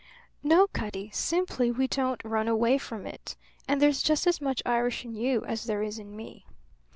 "No, Cutty; simply we don't run away from it. And there's just as much Irish in you as there is in me."